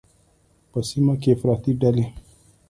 په سیمه کې افراطي ډلې